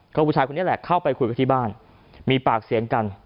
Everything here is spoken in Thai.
ก็ผู้ชายคนนี้แหละเข้าไปคุยกันที่บ้านมีปากเสียงกัน